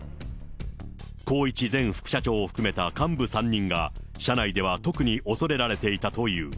宏一前副社長を含めた幹部３人が、社内では特に恐れられていたという。